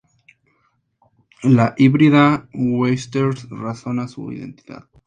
La híbrida Weathers razona su identidad.